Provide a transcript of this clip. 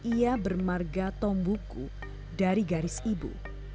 ia bermarga tombuku dari garis ibu